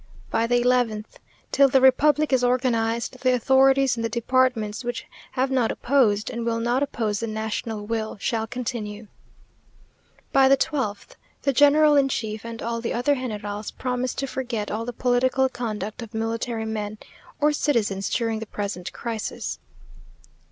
By the eleventh Till the republic is organized, the authorities in the departments which have not opposed, and will not oppose the national will, shall continue. By the twelfth The general in chief and all the other generals promise to forget all the political conduct of military men or citizens during the present crisis.